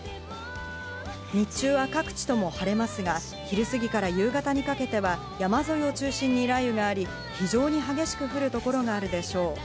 日中は各地とも晴れますが、昼過ぎから夕方にかけては山沿いを中心に雷雨があり、非常に激しく降る所があるでしょう。